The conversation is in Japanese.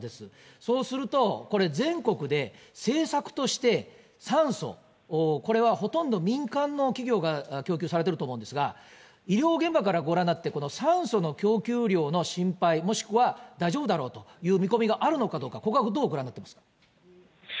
そうすると、これ、全国で政策として酸素、これはほとんど民間の企業が供給されていると思うんですが、医療現場からご覧になって、酸素の供給力の心配、もしくは大丈夫だろうという見込みがあるのかどうか、ここはどうご覧になっていますか？